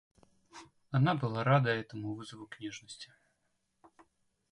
Она была рада этому вызову к нежности.